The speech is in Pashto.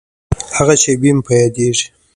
هغه شېبې مې په یادیږي.